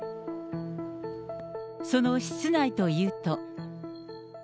その室内というと。